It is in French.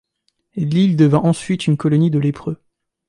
L'île devint ensuite une colonie de lépreux.